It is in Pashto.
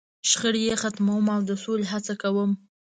.شخړې یې ختموم، او د سولې هڅه کوم.